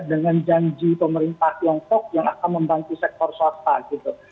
dengan janji pemerintah tiongkok yang akan membantu sektor swasta gitu